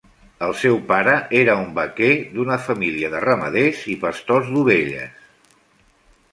El seu pare era un "vaquer" d'una família de ramaders i pastors d'ovelles.